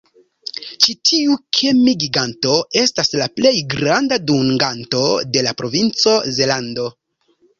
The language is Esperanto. Ĉi tiu kemi-giganto estas la plej granda dunganto de la provinco Zelando.